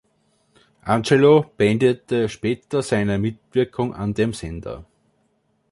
Angelo beendete später seine Mitwirkung an dem Sender.